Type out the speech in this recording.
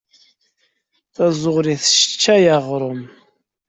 Taẓuri tesseččay aɣrum.